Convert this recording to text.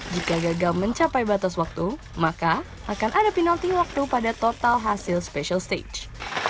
jika gagal mencapai batas waktu maka akan ada penalti waktu pada total hasil special stage